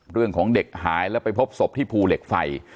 เรื่องของเด็กหายแล้วไปพบศพที่ภูเหล็กไฟ